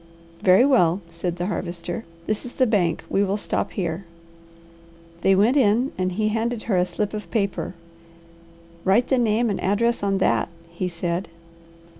"Very well," said the Harvester. "This is the bank. We will stop here." They went in and he handed her a slip of paper. "Write the name and address on that?" he said.